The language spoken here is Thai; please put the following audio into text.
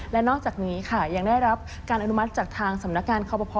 และนอกจากนี้ค่ะยังได้รับการอนุมัติจากทางสำนักงานคอปภ